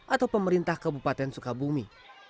atau pemerintah kebupaten sukabumi